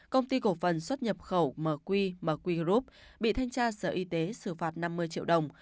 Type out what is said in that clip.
công ty cổ phần xuất nhập khẩu mqi mqi group bị thanh tra sở y tế xử phạt năm mươi triệu đồng